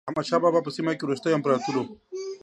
احمد شاه بابا په سیمه کې وروستی امپراتور و.